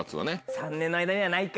３年の間にはないか。